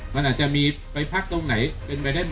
มันอาจจะมีไปพักตรงไหนเป็นไปได้ไหม